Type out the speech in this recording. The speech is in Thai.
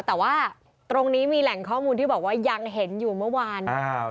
แต่ว่าตรงนี้มีแหล่งข้อมูลที่บอกว่ายังเห็นอยู่เมื่อวาน